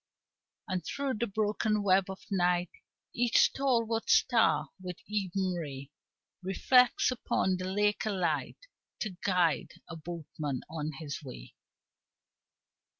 And through the broken web of night Each stalwart star with even ray Reflects upon the lake a light To guide a boatman on his way.